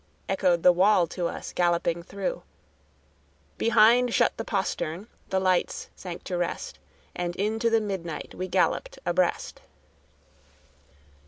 echoed the wall to us galloping through; Behind shut the postern, the lights sank to rest, And into the midnight we galloped abreast.